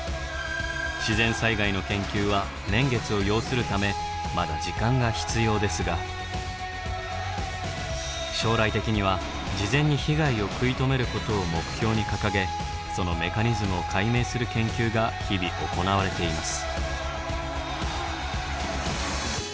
自然災害の研究は年月を要するためまだ時間が必要ですが将来的には事前に被害を食い止めることを目標に掲げそのメカニズムを解明する研究が日々行われています。